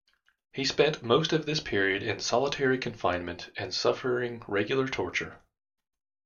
He spent most of this period in solitary confinement and suffering regular torture.